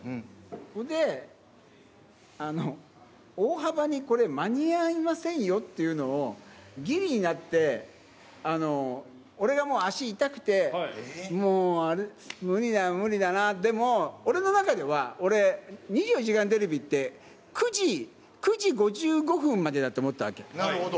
それで大幅にこれ、間に合いませんよっていうのを、ぎりになって、俺がもう足痛くて、もう無理だよ、無理だな、でも、俺の中では、俺、２４時間テレビって９時５５分までだと思ってたわけ。